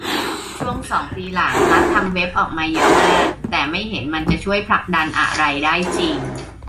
ช่วงสองปีหลัง รัฐทำเว็บออกมาเยอะมาก แต่ไม่เห็นมันจะช่วยผลักดันอะไรได้จริง